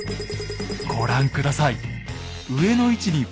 ご覧下さい。